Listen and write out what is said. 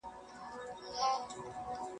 چي دا ولي؟ راته ووایاست حالونه ..